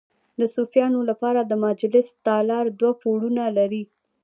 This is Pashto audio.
د صوفیانو لپاره د مجلس تالار دوه پوړونه لري.